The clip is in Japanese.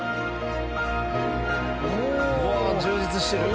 うわ充実してる。